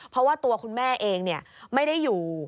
เพราะว่าตัวคุณแม่เองไม่ได้อยู่